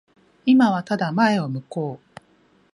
今はただ前を向こう。